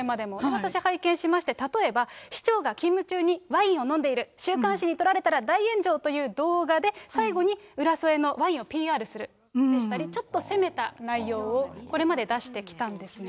私、拝見しまして、例えば、市長が勤務中にワインを飲んでいる、週刊誌に撮られたら大炎上という動画で、最後に浦添のワインをＰＲするでしたり、ちょっと攻めた内容をこれまで出してきたんですね。